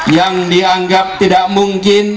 yang dianggap tidak mungkin